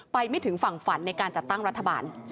ไม่ถึงฝั่งฝันในการจัดตั้งรัฐบาล